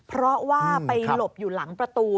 เพราะว่าไปหลบอยู่หลังประตู